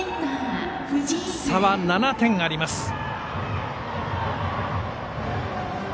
差は７点あります。